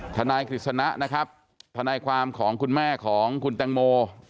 ทนายกฤษณะนะครับทนายความของคุณแม่ของคุณแตงโม